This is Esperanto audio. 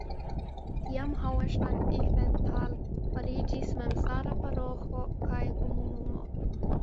Tiam Hauenstein-Ifenthal fariĝis memstara paroĥo kaj komunumo.